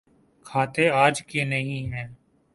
کھاتے آج کے نہیں ہیں۔